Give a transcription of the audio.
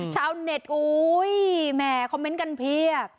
ชาวเน็ตอุ้ยแหมคอมเมนต์กันเพียบ